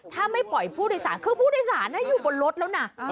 ถ้าไม่ปล่อยผู้โดยสารคือผู้โดยสารอยู่บนรถแล้วนะ